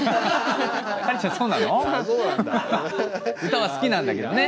歌は好きなんだけどね。